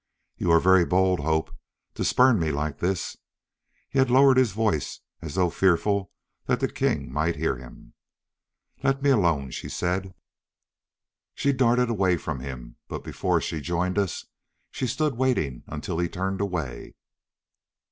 "You are very bold, Hope, to spurn me like this." He had lowered his voice as though fearful that the king might hear him. "Let me alone!" she said. She darted away from him, but before she joined us she stood waiting until he turned away.